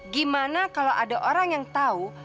gimana kalau ada orang yang tahu